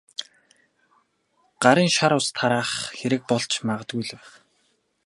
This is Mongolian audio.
Гарын шар ус тараах хэрэг болж магадгүй л байх.